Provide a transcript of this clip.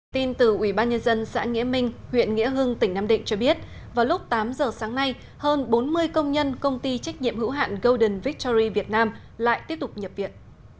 tin từ ubnd xã nghĩa minh huyện nghĩa hưng tỉnh nam định cho biết vào lúc tám giờ sáng nay hơn bốn mươi công nhân công ty trách nhiệm hữu hạn golden victory việt nam lại tiếp tục nhập viện